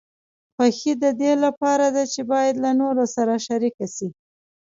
خوښي د دې لپاره ده چې باید له نورو سره شریکه شي.